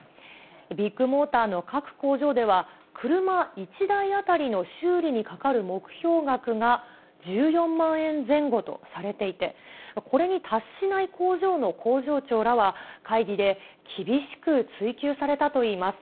ビッグモーターの各工場では、車１台当たりの修理にかかる目標額が、１４万円前後とされていて、これに達しない工場の工場長らは、会議で厳しく追及されたといいます。